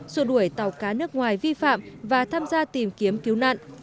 xua đuổi tàu cá nước ngoài vi phạm và tham gia tìm kiếm cứu nạn